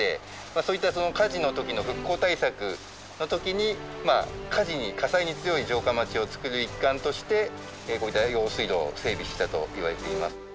そういった火事の時の復興対策の時に火事に火災に強い城下町を作る一環としてこういった用水路を整備したといわれています。